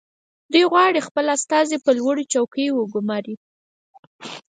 دوی غواړي خپل استازي په لوړو چوکیو وګماري